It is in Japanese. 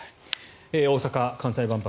大阪・関西万博